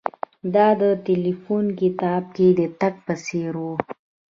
دا د ټیلیفون کتاب کې د تګ په څیر و